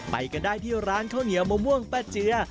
ไปกันได้ที่ร้านข้าวเหนียวมะม่วงป้าเจือ